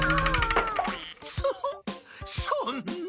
そそんな。